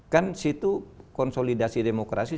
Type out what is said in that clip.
kan situ konsolidasi demokrasi